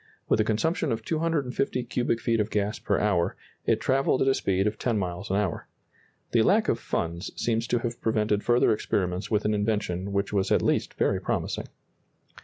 With a consumption of 250 cubic feet of gas per hour, it travelled at a speed of ten miles an hour. The lack of funds seems to have prevented further experiments with an invention which was at least very promising.